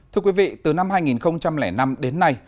thưa quý vị từ năm hai nghìn năm đến nay